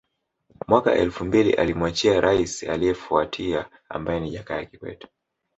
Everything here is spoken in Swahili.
Mwaka elfu mbili alimwachia Raisi aliefuatia ambaye ni Jakaya Kikwete